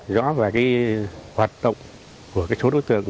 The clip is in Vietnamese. rõ ràng về hoạt động của số đối tượng của tổ chức hunro tên lành lê nga